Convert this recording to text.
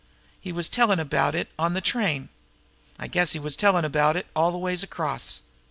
He was tellin' about it on the train. I guess he was tellin' about it all the way across.